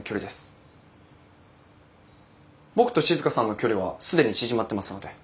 僕と静さんの距離は既に縮まってますので。